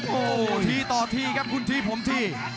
โอ้โหทีต่อทีครับคุณทีผมที